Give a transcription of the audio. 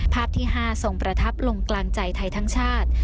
ภาพที่๕ทรงประทับลงกลางใจไทยทั้งชาติ